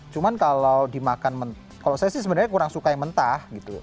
cuman kalau dimakan kalau saya sih sebenarnya kurang suka yang mentah gitu